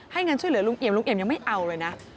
เงินช่วยเหลือลุงเอี่ยลุงเอี่ยมยังไม่เอาเลยนะ